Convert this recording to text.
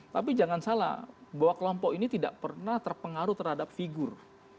tapi jangan salah bahwa kelompok ini tidak pernah terpengaruh terhadap figur